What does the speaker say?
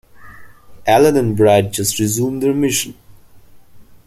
Allan and Brad just resume their mission.